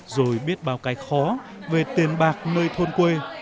rồi biết bao cái khó về tiền bạc nơi thôn quê